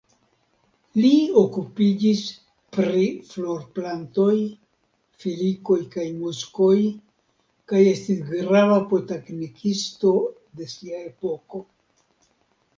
Li okupiĝis pri florplantoj, filikoj kaj muskoj kaj estis grava botanikisto de sia epoko.